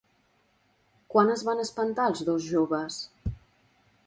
Quan es van espantar els dos joves?